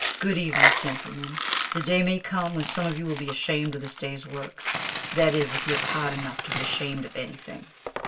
Good evening, gentlemen. The day may come when some of you will be ashamed of this day's work, that is if you've heart enough to be ashamed of anything."